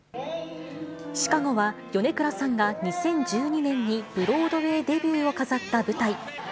ＣＨＩＣＡＧＯは米倉さんが２０１２年にブロードウェイデビューを飾った舞台。